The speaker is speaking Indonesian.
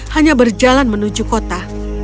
hanya berjalan menuju kota